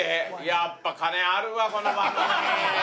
やっぱ金あるわこの番組。